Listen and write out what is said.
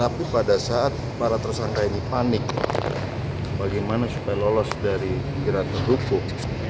tapi pada saat para tersangka ini panik bagaimana supaya lolos dari jerat hukum